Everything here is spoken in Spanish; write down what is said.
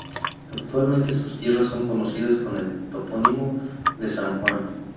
Actualmente sus tierras son conocidas con el topónimo de "San Juan".